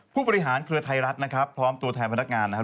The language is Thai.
ผู้บริหารเครือไทยรัฐนะครับพร้อมตัวแทนพนักงานนะครับ